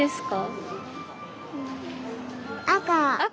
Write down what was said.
赤。